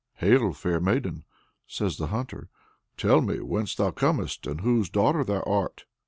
"Hail, fair maiden!" says the hunter. "Tell me whence thou comest, and whose daughter thou art?"